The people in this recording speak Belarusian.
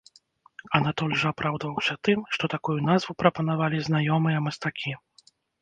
Анатоль жа апраўдваўся тым, што такую назву прапанавалі знаёмыя мастакі.